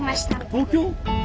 東京。